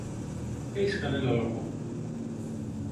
Έχεις κανένα λόγο;